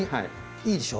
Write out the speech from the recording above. いいでしょ？